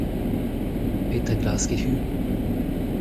Petra a glaskit-hu ?